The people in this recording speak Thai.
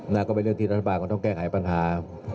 นั่นก็เป็นเรื่องที่รัฐบาลก็ต้องแก้ไขปัญหา